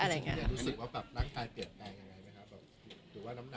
จริงรู้สึกว่านักทายเปลี่ยนแปลงอย่างไรนะครับหรือว่าน้ำหนัก